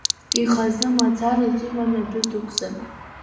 Ихазы мацара азыҳәан адәы дықәзар?